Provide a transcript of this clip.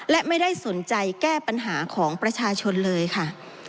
และไม่ได้สนใจแก้ปัญหาของประชาชนเลยค่ะ